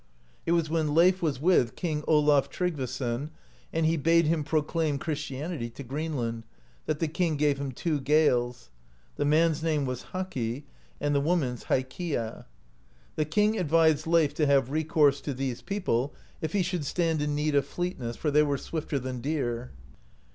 It was when Leif was with King Olaf Trygg\^ason, and he bade him proclaim Christianity to Greenland, that the king gave him tw^o Gaels (48) ; the mans name was Haki, and the w^oman's Haekia. The king advised Leif to have recourse to these people, if he should stand in need of fleetness, for they were swifter than deer.